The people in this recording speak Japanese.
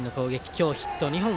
今日ヒット２本。